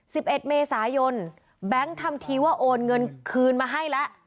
สิบเอ็ดเมษายนแบงค์ทำทีว่าโอนเงินคืนมาให้แล้ว